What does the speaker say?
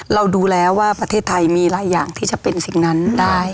เราดูแล้วว่าประเทศไทยมีหลายอย่างที่จะเป็นสิ่งนั้นได้